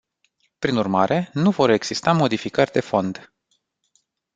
Prin urmare, nu vor exista modificări de fond.